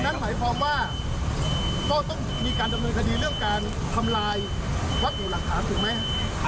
นั่นหมายความว่าก็ต้องมีการดำเนินคดีเรื่องการทำลายวัตถุหลักฐานถูกไหม